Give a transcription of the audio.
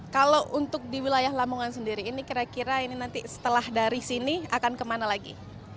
kalau untuk di wilayah lamongan sendiri ini kira kira ini nanti setelah dari sini akan kemana lagi